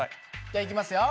じゃいきますよ。